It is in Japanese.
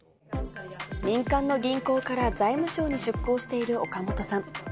民間の銀行から財務省に出向している岡本さん。